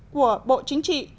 của bộ chính trị